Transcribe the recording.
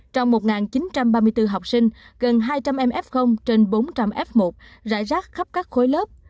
trong một chín trăm ba mươi bốn học sinh gần hai trăm linh em f trên bốn trăm linh f một rải rác khắp các khối lớp